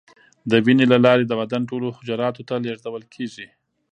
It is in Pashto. د وینې له لارې د بدن ټولو حجراتو ته لیږدول کېږي.